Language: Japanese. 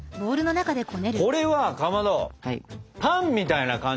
これはかまどパンみたいな感じで？